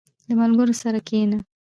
• د ملګرو سره کښېنه.